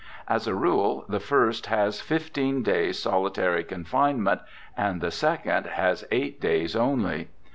As a rule the first has fifteen days' solitary confinement, and the second has eight days only.